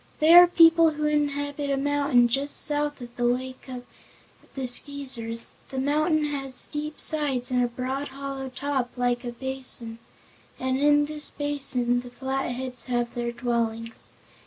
They are people who inhabit a mountain just south of the Lake of the Skeezers. The mountain has steep sides and a broad, hollow top, like a basin, and in this basin the Flatheads have their dwellings.